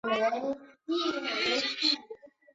女满别机场则因电力不足宣布关闭。